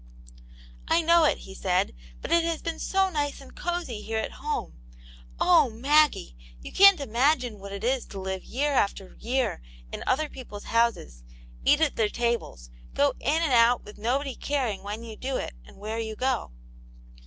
" I know it," he said. " But it has been so nice and cosy here at home. Oh, Maggie I you can't imagine what it is to live year after year in other people's houses, eat at their tables, go in and out with nobody caring when you do it, and where you go